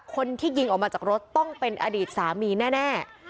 คนที่ยิงออกมาจากรถต้องเป็นอดีตสามีแน่